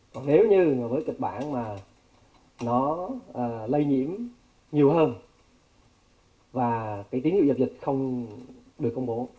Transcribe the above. còn nếu như với kịch bản mà nó lây nhiễm nhiều hơn và cái tiếng dụ dập dịch không được công bố